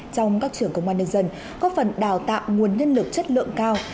trong các trường công an nhân dân có phần đào tạo nguồn nhân lực chất lượng cao